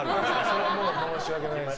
それは申し訳ないです。